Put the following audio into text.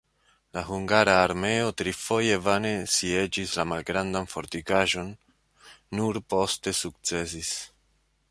La hungara armeo trifoje vane sieĝis la malgrandan fortikaĵon, nur poste sukcesis.